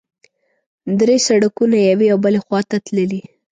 درې سړکونه یوې او بلې خوا ته تللي.